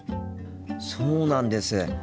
そうなんです。